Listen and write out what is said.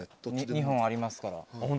２本ありますから。